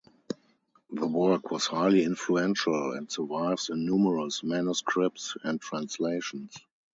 The work was highly influential and survives in numerous manuscripts and translations.